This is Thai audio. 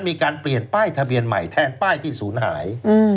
มีการเปลี่ยนป้ายทะเบียนใหม่แทนป้ายที่ศูนย์หาย